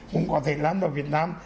cũng có thể làm vào việt nam